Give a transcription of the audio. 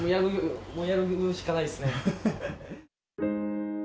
もうやるしかないですね。